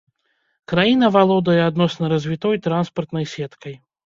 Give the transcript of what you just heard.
Краіна валодае адносна развітой транспартнай сеткай.